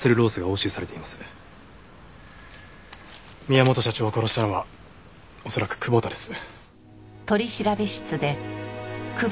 宮本社長を殺したのは恐らく久保田です。